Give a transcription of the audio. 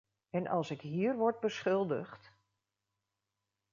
En als ik hier wordt beschuldigd...